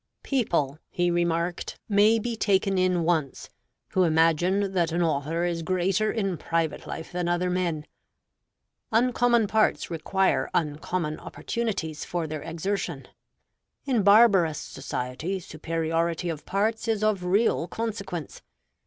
"People" (he remarked) "may be taken in once, who imagine that an author is greater in private life than other men. Uncommon parts require uncommon opportunities for their exertion." "In barbarous society, superiority of parts is of real consequence.